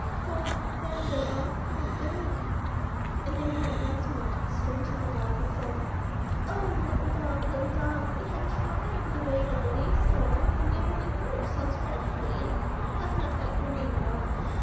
So then they all cried bitterly, and they ran once more to the strange little dog, and said, "Oh, little dog, little dog! we have tried the way that the leaves told us, and we have only hurt ourselves dreadfully, and have not got green at all.